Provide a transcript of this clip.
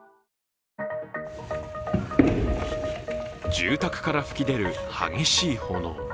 住宅から噴き出る激しい炎。